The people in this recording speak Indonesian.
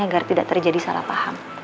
agar tidak terjadi salah paham